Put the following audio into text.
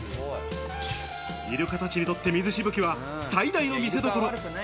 イルカたちにとって水しぶきは最大の見せどころ。